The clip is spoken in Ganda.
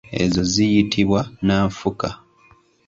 Ezo ziyitibwa nanfuka.